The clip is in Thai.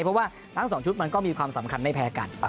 เพราะว่าทั้ง๒ชุดมันก็มีความสำคัญไม่แพ้กัน